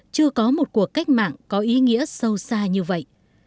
chưa có một cuộc cách mạng có ý nghĩa sâu xa như vậy